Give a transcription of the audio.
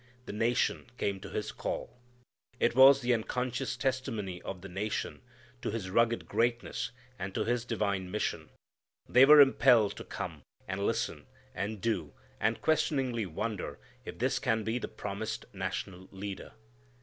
The nation came to his call. It was the unconscious testimony of the nation to his rugged greatness and to his divine mission. They were impelled to come, and listen, and do, and questioningly wonder if this can be the promised national leader.